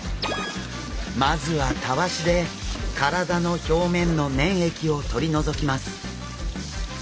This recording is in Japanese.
まずはたわしで体の表面の粘液を取り除きます。